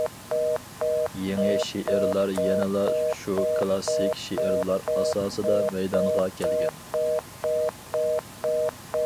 يېڭى شېئىرلار يەنىلا شۇ كىلاسسىك شېئىرلار ئاساسىدا مەيدانغا كەلگەن.